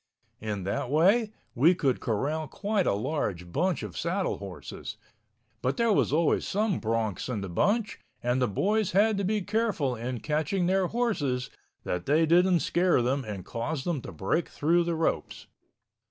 In that way we could corral quite a large bunch of saddle horses. But there was always some broncs in the bunch and the boys had to be careful in catching their horses that they didn't scare them and cause them to break through the ropes.